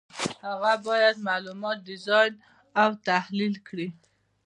هغه باید معلومات ډیزاین او تحلیل کړي.